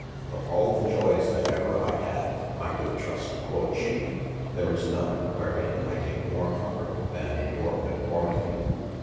Of all the joyes that ever I had (my good Trust quod shee) there is none where in I take more comforte than in your conformity.